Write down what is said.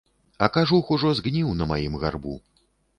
А кажух ужо згніў на маім гарбу.